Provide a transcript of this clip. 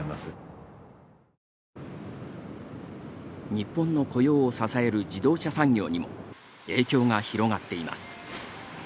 日本の雇用を支える自動車産業にも影響が広がっています。